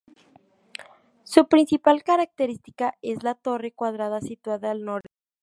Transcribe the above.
Su principal característica es la torre cuadrada situada al noroeste.